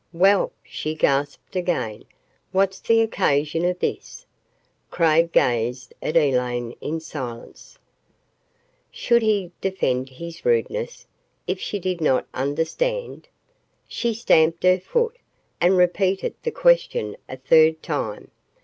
"Well," she gasped again, "what's the occasion of THIS?" Craig gazed at Elaine in silence. Should he defend his rudeness, if she did not understand? She stamped her foot, and repeated the question a third time.